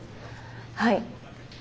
はい。